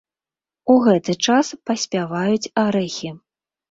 У гэты час паспяваюць арэхі.